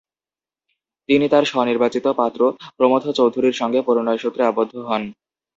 তিনি তাঁর স্বনির্বাচিত পাত্র প্রমথ চৌধুরীর সঙ্গে পরিণয়সূত্রে আবদ্ধ হন।